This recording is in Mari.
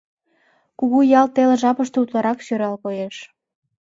кугу ял теле жапыште утларак сӧрал коеш.